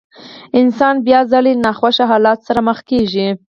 انسان بيا ځلې له ناخوښو حالاتو سره مخ کېږي.